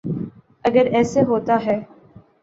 اگر ایسے ہوتا ہے۔